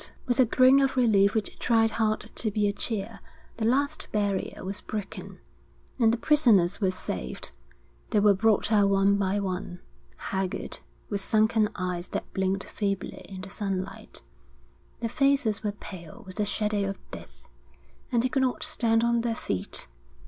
With a groan of relief which tried hard to be a cheer, the last barrier was broken, and the prisoners were saved. They were brought out one by one, haggard, with sunken eyes that blinked feebly in the sun light; their faces were pale with the shadow of death, and they could not stand on their feet.